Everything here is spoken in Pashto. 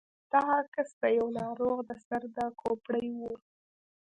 دا عکس د يوه ناروغ د سر د کوپړۍ و.